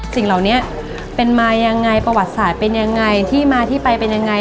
สิ่งเหล่านี้เป็นมายังไงประวัติศาสตร์เป็นยังไงที่มาที่ไปเป็นยังไง